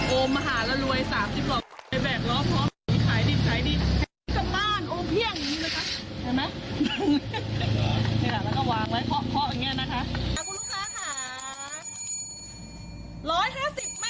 โอมหาระรวยสามสิบหล่อ